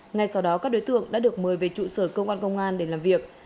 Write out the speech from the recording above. ngay sau đó các đối tượng đã được mời về trụ sở công an công an để làm việc